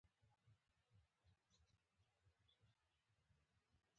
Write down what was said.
فعل د جملې حرکت دئ.